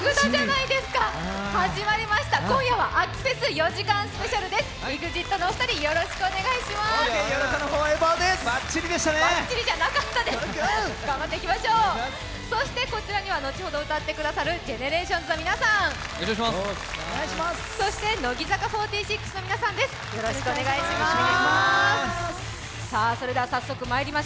そしてこちらには後ほど歌ってくださるＧＥＮＥＲＡＴＩＯＮＳの皆さん、そして乃木坂４６の皆さんです、よろしくお願いします。